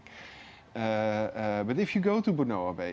tapi jika anda pergi ke benoa bay